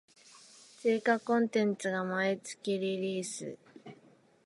追加コンテンツが毎月リリース